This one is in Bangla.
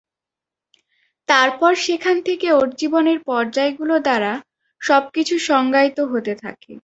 তারপর সেখান থেকে ওর জীবনের পর্যায়গুলো দ্বারা সবকিছু সংজ্ঞায়িত হতে থাকে।